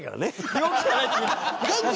病気じゃないって言うな！